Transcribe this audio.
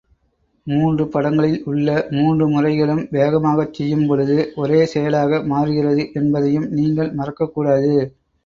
மூன்று படங்களில் உள்ள மூன்று முறைகளும் வேகமாகச் செய்யும்பொழுது ஒரே செயலாக மாறுகிறது என்பதையும் நீங்கள் மறக்கக்கூடாது.